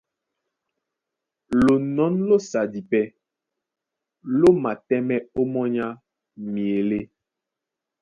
Lonɔ̌n lósadi pɛ́ ló matɛ́mɛ́ ómɔ́ny á myelé.